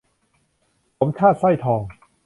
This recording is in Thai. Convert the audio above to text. สมชาติ สร้อยทอง